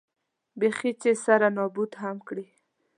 بېخي چې سره نابود هم کړي.